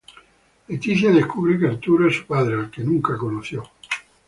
Leticia descubre que Arturo es su padre, al que nunca conoció.